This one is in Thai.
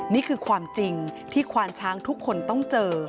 นี่คือความจริงที่ควานช้างทุกคนต้องเจอ